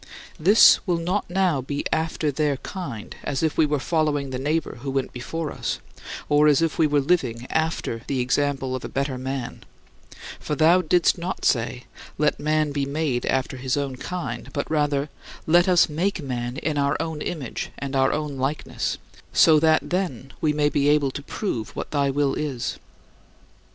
" This will not now be "after their kind," as if we were following the neighbor who went before us, or as if we were living after the example of a better man for thou didst not say, "Let man be made after his kind," but rather, "Let us make man in our own image and our own likeness," so that then we may be able to prove what thy will is.